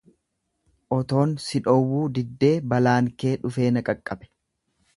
Otoon si dhowwuu diddee balaan kee dhufee na qaqqabe.